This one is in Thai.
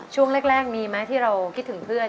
ช่วงแรกมีไหมที่เราคิดถึงเพื่อน